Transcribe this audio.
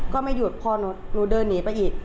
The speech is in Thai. ก็ไม่หยุดพอหนูเดินหนีไปอีก